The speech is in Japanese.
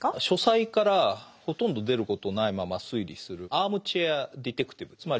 書斎からほとんど出ることないまま推理するアームチェア・ディテクティヴ。